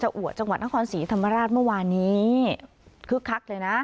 อัวจังหวัดนครศรีธรรมราชเมื่อวานนี้คึกคักเลยนะ